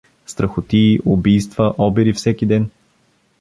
— Страхотии, убийства, обири всеки ден.